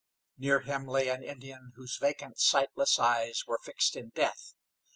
Near him lay an Indian whose vacant, sightless eyes were fixed in death.